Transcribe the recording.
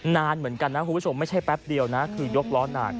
นานเหมือนกันคุณผู้ชมไม่ใช่แป๊บเดียวนะ